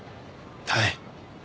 はい。